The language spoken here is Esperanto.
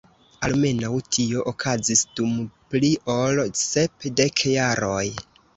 Almenaŭ tio okazis dum pli ol sep dek jaroj.